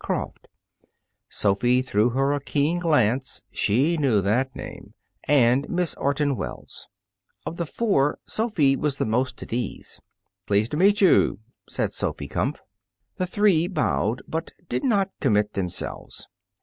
Croft" Sophy threw her a keen glance; she knew that name "and Miss Orton Wells." Of the four, Sophy was the most at ease. "Pleased to meet you," said Sophy Kumpf. The three bowed, but did not commit themselves.